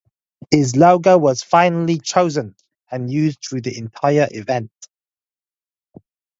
His logo was finally chosen and used through the entire event.